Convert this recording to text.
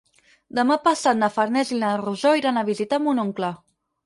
Demà passat na Farners i na Rosó iran a visitar mon oncle.